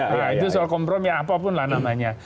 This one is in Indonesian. nah itu soal kompromi apapun lah namanya